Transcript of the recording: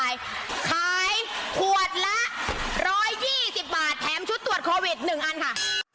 ขายขวดละร้อยยี่สิบบาทแถมชุดตรวจโควิดฟรีหนึ่งอันค่ะ